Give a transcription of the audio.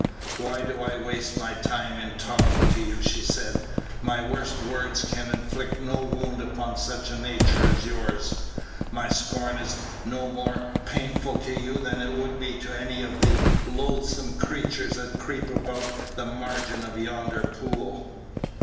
"Why do I waste my time in talking to you?" she said. "My worst words can inflict no wound upon such a nature as yours. My scorn is no more painful to you than it would be to any of the loathsome creatures that creep about the margin of yonder pool."